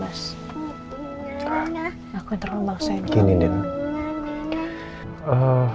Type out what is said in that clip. aku yang terlalu memaksainya